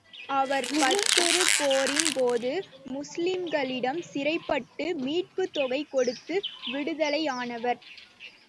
அவர் பத்ருப் போரின் போது, முஸ்லிம்களிடம் சிறைப்பட்டு, மீட்புத் தொகை கொடுத்து விடுதலையானவர்.